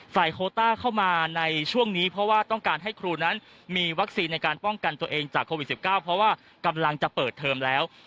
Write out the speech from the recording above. โคต้าเข้ามาในช่วงนี้เพราะว่าต้องการให้ครูนั้นมีวัคซีนในการป้องกันตัวเองจากโควิด๑๙เพราะว่ากำลังจะเปิดเทอมแล้ว